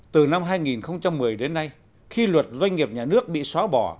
từ năm hai nghìn một mươi đến nay khi luật doanh nghiệp nhà nước bị xóa bỏ